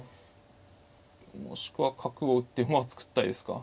もしくは角を打って馬を作ったりですか。